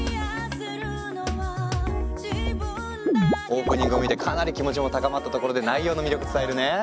オープニングを見てかなり気持ちも高まったところで内容の魅力伝えるね。